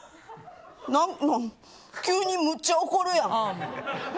何なん急にむっちゃ怒るやん。